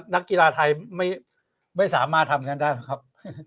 นักกีฬาไทยไม่สามารถทำกันได้นะครับ